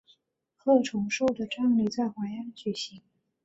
郝崇寿的葬礼在淮安举行。